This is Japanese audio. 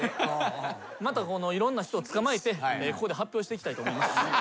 またいろんな人を捕まえてここで発表したいと思います。